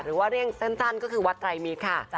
หรือว่าเรียกเรื่องสั้นก็คือวัดไตรมิศค่ะ